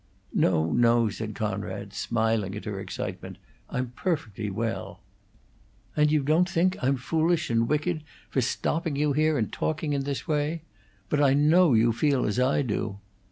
"No, no," said Conrad, smiling at her excitement. "I'm perfectly well " "And you don't think I'm foolish and wicked for stopping you here and talking in this way? But I know you feel as I do!"